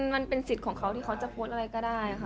มันเป็นสิทธิ์ของเขาที่เขาจะโพสต์อะไรก็ได้ค่ะ